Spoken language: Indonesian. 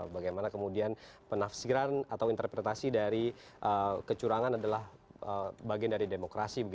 bagaimana kemudian penafsiran atau interpretasi dari kecurangan adalah bagian dari demokrasi